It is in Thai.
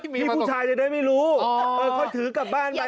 พี่ผู้ชายจะได้ไม่รู้เขาถือกลับบ้านไป